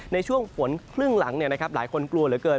เหมือนครึ่งหลังเนี่ยนะครับหลายคนกลัวเหลือเกิน